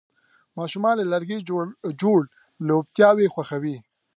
ماشومان له لرګي جوړ لوبتیاوې خوښوي.